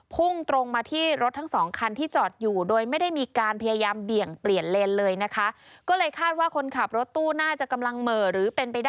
พุ่งตรงมาที่รถทั้งสองคันที่จอดอยู่